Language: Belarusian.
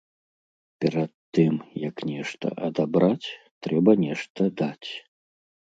Перад тым, як нешта адабраць, трэба нешта даць.